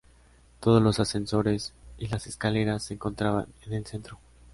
Todos los ascensores y las escaleras se encontraban en el centro.